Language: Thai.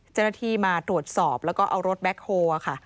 เจ้าหน้าที่มาตรวจสอบแล้วก็เอารถแบ็คโฮลค่ะ